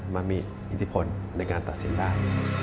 มามีอิทธิพลในการตัดสินได้